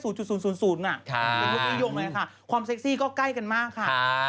เป็นยุคนิยมเลยค่ะความเซ็กซี่ก็ใกล้กันมากค่ะ